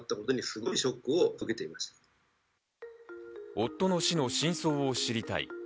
夫の死の真相を知りたい。